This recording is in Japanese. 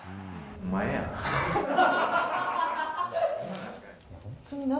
お前やな。